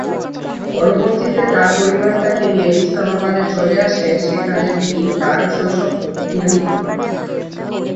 পরবর্তীতে তার পরিবার তাকে নিয়ে ইসলামাবাদে চলে আসে, যেখানে তিনি তার শৈশব অতিবাহিত করেন।